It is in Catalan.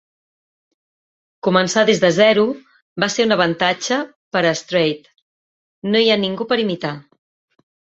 Començar des de zero va ser un avantatge per a Strait: no hi ha ningú per imitar.